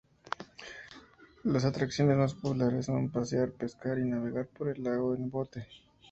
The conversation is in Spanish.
Las atracciones más populares son pasear, pescar y navegar por el lago en bote.